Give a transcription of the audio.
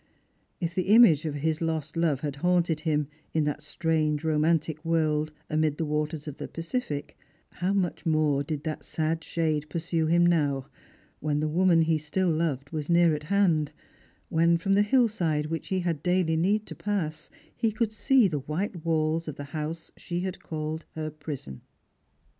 If the image of his lost love had haunted him in that strange romantic world amid the waters of the Pacific, how much more did that sad shade pursue him now, when the woman he still loved was near at hand, when from the hill side which he had daily need to pass he could see the white walls of the house she had called her prison